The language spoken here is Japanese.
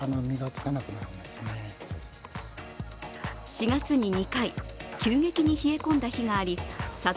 ４月に２回急激に冷え込んだ日があり佐藤